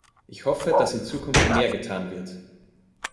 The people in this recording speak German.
Ich hoffe, dass in Zukunft mehr getan wird!